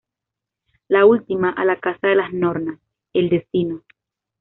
La última a la Casa de las Nornas, el Destino.